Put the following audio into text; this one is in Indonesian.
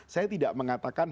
saya tidak mengatakan